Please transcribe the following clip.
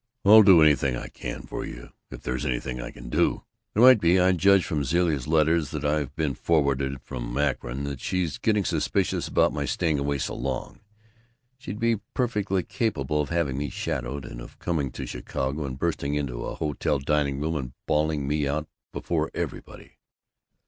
I'll do anything I can for you, if there's anything I can do." "There might be. I judge from Zilla's letters that've been forwarded from Akron that she's getting suspicious about my staying away so long. She'd be perfectly capable of having me shadowed, and of coming to Chicago and busting into a hotel dining room and bawling me out before everybody."